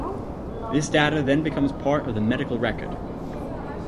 This data then becomes part of the medical record.